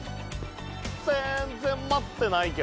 全然待ってないけど？